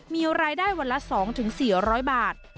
มีรายได้วันละ๒๔๐๐บาท